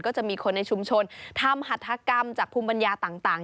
ก็จะมีคนในชุมชนทำหัฐกรรมจากภูมิปัญญาต่าง